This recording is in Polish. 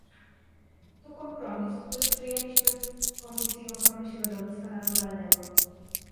To kompromis, który przyjęliśmy w Komisji Ochrony Środowiska Naturalnego